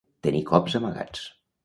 Tenir cops amagats.